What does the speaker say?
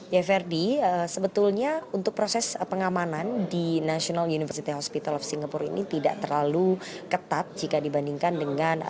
ya ferdi sebetulnya untuk proses pengamanan di national university hospital of singapore ini tidak terlalu ketat jika dibandingkan dengan